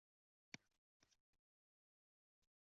丛生钉柱委陵菜为蔷薇科委陵菜属下的一个变种。